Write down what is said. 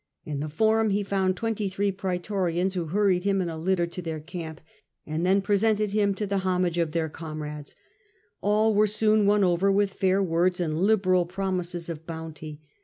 In the Forum he found twenty three praetorians, dwlyhur who hurried him in a litter to their camp, and the^cam^° then presented him to the homage of their and saluted comrades. All were soon won over with fair Emperor* words and liberal promises of bounty.